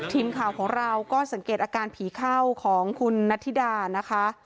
ทีมข่าวของเราก็สังเกตอาการผีเข้าของคุณนัทธิดานะคะ